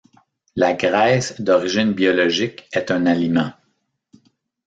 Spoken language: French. La graisse d'origine biologique est un aliment.